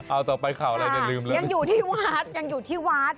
เอาต่อไปข่าวอะไรยังอยู่ที่วาดยังอยู่ที่วาด